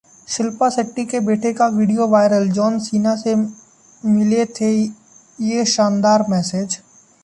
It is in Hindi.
शिल्पा शेट्टी के बेटे का वीडियो वायरल, जॉन सीना से मिला ये शानदार मैसेज